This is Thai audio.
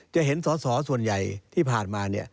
จะเห็นสอสอส่วนใหญ่ที่ผ่านมา